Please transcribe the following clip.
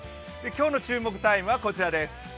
今日の注目タイムはこちらです。